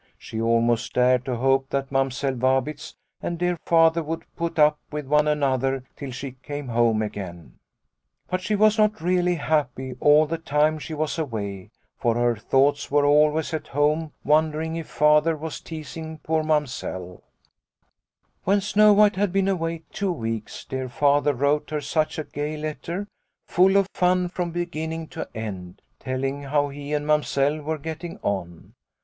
She almost dared to hope that Mamsell Vabitz and dear Father would put up with one another till she came home again. 5O Liliecrona's Home " But she was not really happy all the time she was away, for her thoughts were always at home, wondering if Father was teasing poor Mamsell. ' When Snow White had been away two weeks, dear Father wrote her such a gay letter, full of fun from beginning to end, telling how he and Mamsell were getting on.